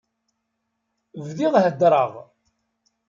Bdiɣ heddreɣ.